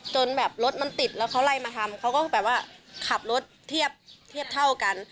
จนแบบรถมันติดแล้วเขาไล่มาทำเขาก็แบบว่าขับรถเทียบเท่ากัน